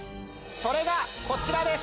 それがこちらです。